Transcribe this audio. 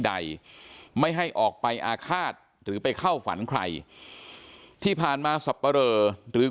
ใดไม่ให้ออกไปอาฆาตหรือไปเข้าฝันใครที่ผ่านมาสับปะเรอหรือ